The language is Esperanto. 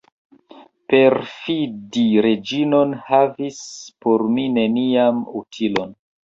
Perfidi Reĝinon havis por mi nenian utilon.